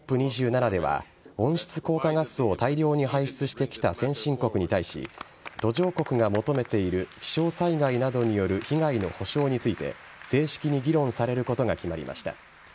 ２７では、温室効果ガスを大量に排出してきた先進国に対し、途上国が求めている気象災害などによる被害の補償について、正式に議論されることが決まりました。